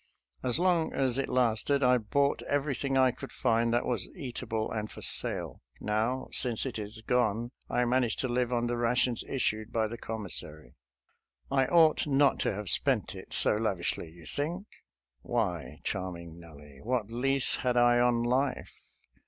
As long as it lasted I bought everything I could find that was eatable and for sale. Now, since it is gone. I manage to live on the rations issued by the commissary. I ought not to have spent it so lavishly, you think.? Why, Charming Nellie, what lease had I on life?